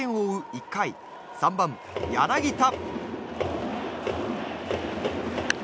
１回３番、柳田。